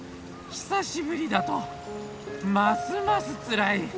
久しぶりだとますますつらい。